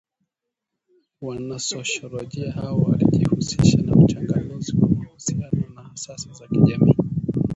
Wanasosholojia hawa walijihusisha na uchanganuzi wa mahusiano na asasi za kijamii